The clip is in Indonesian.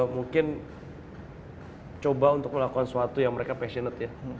mungkin coba untuk melakukan sesuatu yang mereka passionate ya